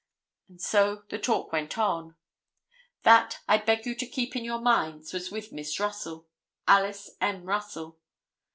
And so the talk went. That, I beg you to keep in your minds, was with Miss Russell—Alice M. Russell.